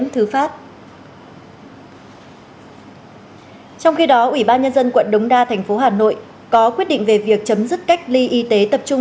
trong khi đó ủy ban nhân dân quận đống đa thành phố hà nội có quyết định về việc chấm dứt cách ly y tế tập trung